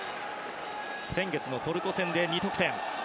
先月のトルコ戦で２得点。